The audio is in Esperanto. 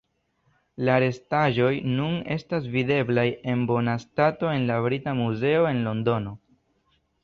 La restaĵoj nun estas videblaj en bona stato en la Brita Muzeo en Londono.